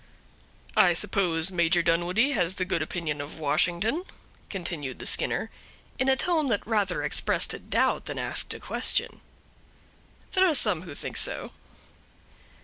"I suppose Major Dunwoodie has the good opinion of Washington?" continued the Skinner, in a tone that rather expressed a doubt than asked a question. "There are some who think so."